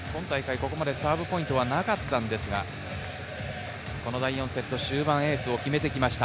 ここまでサーブポイントはなかったんですが、第４セット終盤、エースを決めてきました。